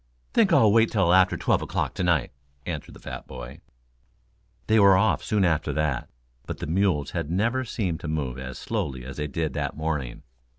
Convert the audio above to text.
"Think I'll wait till after twelve o'clock to night," answered the fat boy. They were off soon after that, but the mules had never seemed to move as slowly as they did that morning.